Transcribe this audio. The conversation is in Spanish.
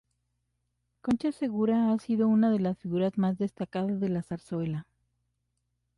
Concha Segura ha sido una de las figuras más destacadas de la zarzuela.